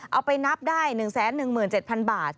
เอาไปนับได้๑๑๗๐๐บาท